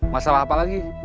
masalah apa lagi